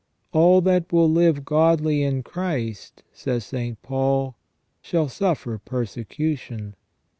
"All that will live godly in Christ," says St. Paul, "shall suffer persecution."